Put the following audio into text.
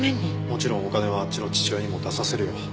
もちろんお金はあっちの父親にも出させるよ。